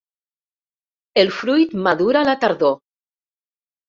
El fruit madura a la tardor.